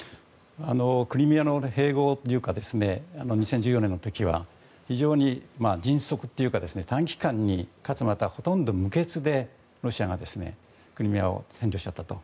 クリミアの併合というか２０１４年の時は非常に迅速というか短期間にかつ、ほとんど無血でロシアがクリミアを占領しちゃったと。